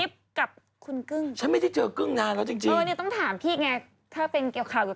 เพราะสนุกทางรายการก่อนที่หลัง